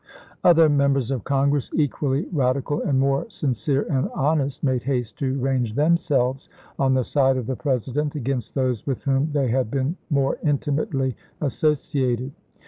Other Members of Congress, equally radical and more sincere and honest, made haste to range themselves on the side of the President against those with whom they had been more intimately associated.